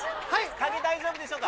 影、大丈夫でしょうか？